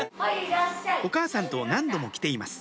お母さんと何度も来ています